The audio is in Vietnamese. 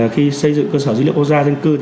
khi xây dựng cơ sở dữ liệu quốc gia dân cư